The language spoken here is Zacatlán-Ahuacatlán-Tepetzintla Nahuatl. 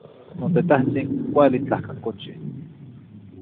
Notetahtzin cuali tlahcacochi.